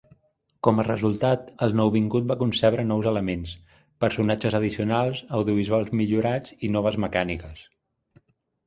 Com a resultat, el nouvingut va concebre nous elements: personatges addicionals, audiovisuals millorats, i noves mecàniques.